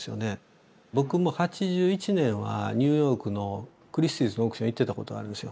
僕も８１年はニューヨークのクリスティーズのオークション行ってたことあるんですよ。